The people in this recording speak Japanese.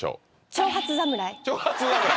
「長髪侍」！